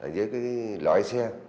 với cái loại xe